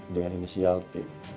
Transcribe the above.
dengan inisial t